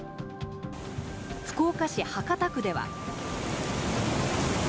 福岡市博多区では。